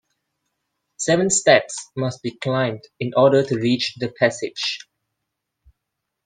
Seven steps must be climbed in order to reach the passage.